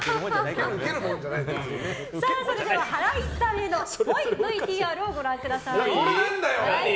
それではハライチさんへのＶＴＲをご覧ください。